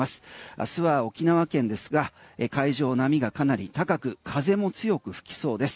明日は沖縄県ですが海上、波がかなり高く風も強く吹きそうです。